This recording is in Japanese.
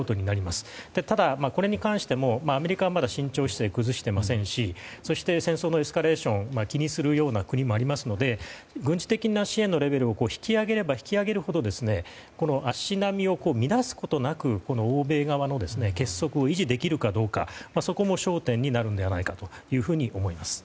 ただ、これに関してもアメリカは、まだ慎重姿勢を崩していませんしそして戦争のエスカレーションを気にするような国もありますので軍事的な支援のレベルを引き上げれば引き上げるほど足並みを乱すことなく欧米側の結束を維持できるかどうか、そこも焦点になるのではと思います。